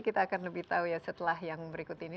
kita akan lebih tahu ya setelah yang berikut ini